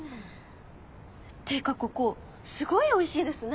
っていうかここすごいおいしいですね！